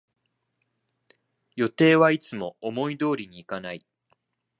予定はいつも思い通りにいかない